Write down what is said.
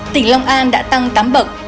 tỉnh long an đã tăng tám bậc